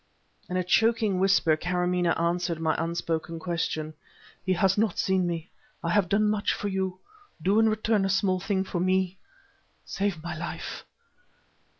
In a choking whisper Karamaneh answered my unspoken question. "He has not seen me! I have done much for you; do in return a small thing for me. Save my life!"